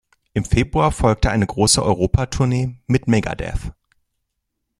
Im Februar folgte eine große Europatournee mit Megadeth.